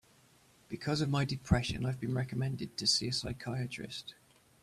Because of my depression, I have been recommended to see a psychiatrist.